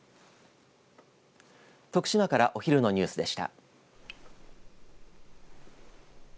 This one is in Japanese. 徳島からお昼のニュースでした。